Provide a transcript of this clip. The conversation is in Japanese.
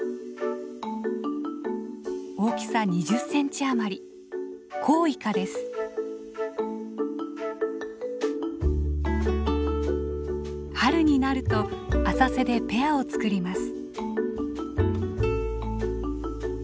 大きさ２０センチあまり春になると浅瀬でペアを作ります。